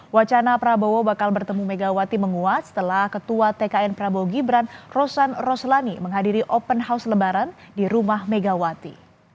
wacana prabowo bakal bertemu megawati menguat setelah ketua tkn prabowo gibran rosan roslani menghadiri open house lebaran di rumah megawati